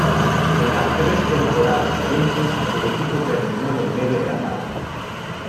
En las tres temporadas siguientes, el equipo terminó en el medio de la tabla.